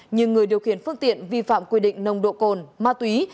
nhưng người điều khiển phương tiện vi phạm quy định nông độ cồn ma túy